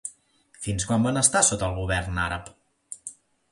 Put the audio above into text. Fins quan van estar sota el govern àrab?